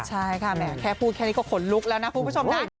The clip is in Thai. ใช่ค่ะแหมแค่พูดแค่นี้ก็ขนลุกแล้วนะคุณผู้ชมนะ